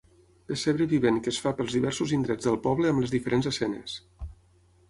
Pessebre vivent que es fa pels diversos indrets del poble amb les diferents escenes.